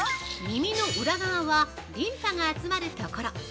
◆耳の裏側はリンパが集まるところ。